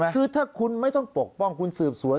คือถ้าคุณไม่ต้องปกป้องคุณสืบสวน